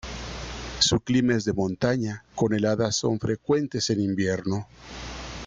Su clima es de montaña, con heladas son frecuentes en invierno.